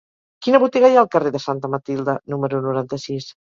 Quina botiga hi ha al carrer de Santa Matilde número noranta-sis?